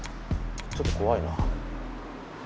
ちょっと怖いな。